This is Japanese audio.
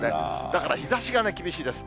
だから、日ざしがね、厳しいです。